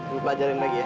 lu pelajarin lagi ya